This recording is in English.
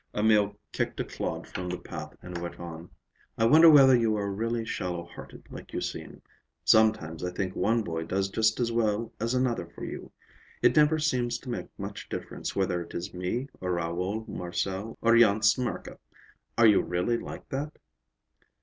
Emil kicked a clod from the path and went on:— "I wonder whether you are really shallow hearted, like you seem? Sometimes I think one boy does just as well as another for you. It never seems to make much difference whether it is me or Raoul Marcel or Jan Smirka. Are you really like that?"